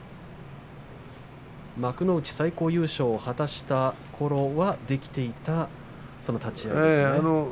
幕内最高優勝を果たしたころはできていたという立ち合いですね。